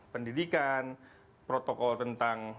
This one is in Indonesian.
pendidikan protokol tentang